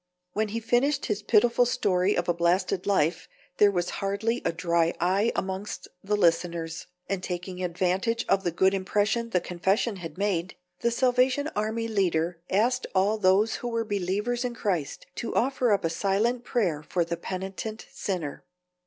When he finished his pitiful story of a blasted life, there was hardly a dry eye amongst the listeners, and taking advantage of the good impression the confession had made, the Salvation Army leader asked all those who were believers in Christ to offer up a silent prayer for the penitent sinner.